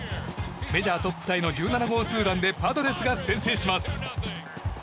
メジャートップタイの１７号ツーランでパドレスが先制します。